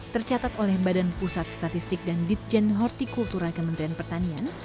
tercatat oleh badan pusat statistik dan ditjen hortikultura kementerian pertanian